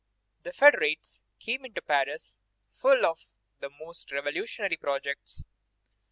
The federates came into Paris full of the most revolutionary projects.